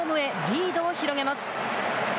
リードを広げます。